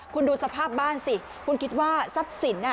คุณดูสภาพบ้านสิคุณคิดว่าทรัพย์สิน